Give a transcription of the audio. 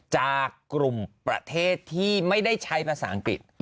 จากกลุ่มประเทศที่ไม่ได้ใช้ภาษาอังกฤษ